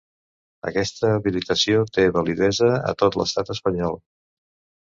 Aquesta habilitació té validesa a tot l'Estat espanyol.